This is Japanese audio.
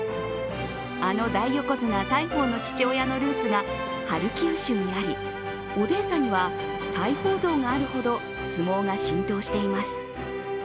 あの大横綱・大鵬の父親のルーツがハルキウ州にありオデーサには大鵬像があるほど相撲が浸透しています。